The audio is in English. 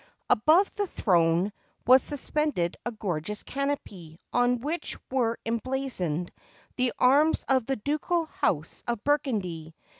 Above the throne 493 SPAIN was suspended a gorgeous canopy, on which were em blazoned the arms of the ducal house of Burgundy.